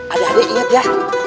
adik adik ingat ya